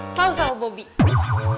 selalu sama bobby